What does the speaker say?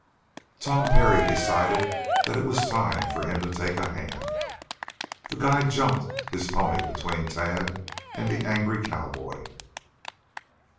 Tom Parry decided that it was time for him to take a hand. The guide jumped his pony between Tad and the angry cowboy.